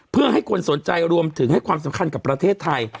เพื่อให้คนสนใจรวมถึงให้ความสำคัญกับประเทศไทย